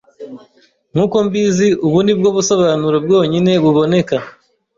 Nkuko mbizi, ubu ni bwo busobanuro bwonyine buboneka.